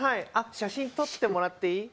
写真、撮ってもらっていい？